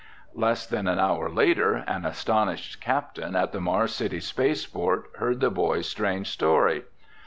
Less than an hour later, an astonished captain at the Mars City spaceport heard the boys' strange story.